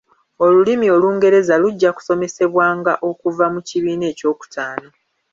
Olulimi Olungereza lujja kusomezebwanga okuva mu kibiina ekyokutaano.